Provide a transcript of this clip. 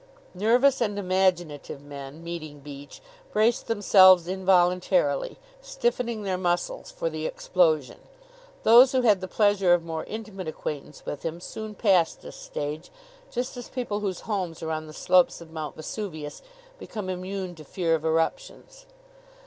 Nervous and imaginative men, meeting Beach, braced themselves involuntarily, stiffening their muscles for the explosion. Those who had the pleasure of more intimate acquaintance with him soon passed this stage, just as people whose homes are on the slopes of Mount Vesuvius become immune to fear of eruptions.